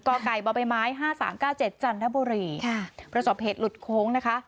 กบไม้๕๓๙๗จันทบุรีค่ะประสบเหตุหลุดโค้งนะคะ